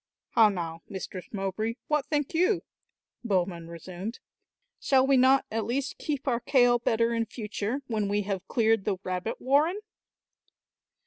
"How now, Mistress Mowbray, what think you?" Bowman resumed. "Shall we not at least keep our kail better in future, when we have cleared the rabbit warren?"